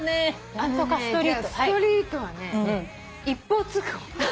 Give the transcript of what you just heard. じゃあストリートはね一方通行。